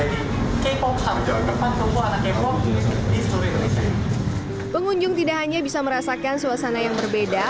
hai kepo khamdok depan kekuatan kepo pengunjung tidak hanya bisa merasakan suasana yang berbeda